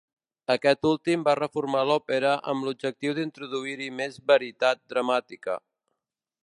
Aquest últim va reformar l'òpera amb l'objectiu d'introduir-hi més veritat dramàtica.